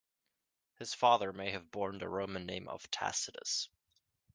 His father may have borne the Roman name of "Tacitus".